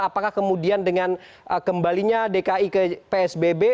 apakah kemudian dengan kembalinya dki ke psbb